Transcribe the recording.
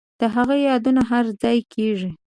د هغه یادونه هرځای کیږي